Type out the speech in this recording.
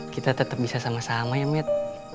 kita tetap bisa sama sama ya met